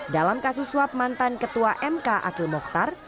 dalam kasus suap mantan ketua mk akhil mokhtar